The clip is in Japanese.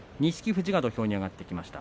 富士が土俵に上がってきました。